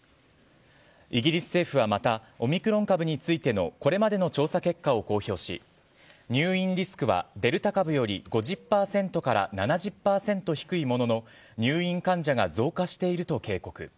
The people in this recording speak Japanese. イギリス政府はまたオミクロン株についてのこれまでの調査結果を公表し入院リスクはデルタ株より５０％から７０％、低いものの入院患者が増加していると警告。